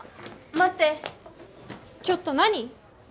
待ってちょっと何！？